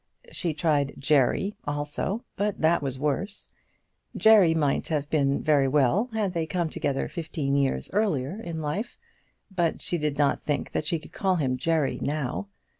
She tried Jerry also, but that was worse. Jerry might have been very well had they come together fifteen years earlier in life, but she did not think that she could call him Jerry now.